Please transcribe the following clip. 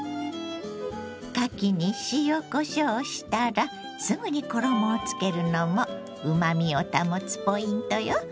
かきに塩こしょうしたらすぐに衣をつけるのもうまみを保つポイントよ。